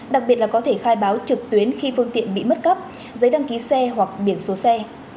đặc biệt là có thể khai báo trực tuyến khi phương tiện bị mất cấp giấy đăng ký xe hoặc biển số xe